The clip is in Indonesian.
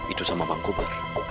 itu sama bang kobar